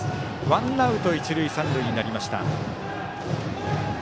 ワンアウト一塁三塁になりました。